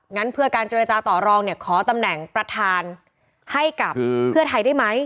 งั้นเพื่อการเจรจาต่อรองเนี่ยขอตำแหน่งประธานให้กับเพื่อไทยได้ไหม